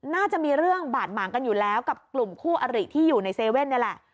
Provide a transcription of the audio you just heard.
น่าจะมีเรื่องบาดหมางกันอยู่แล้วกับกลุ่มคู่อริที่อยู่ในเซเว่นนี่แหละ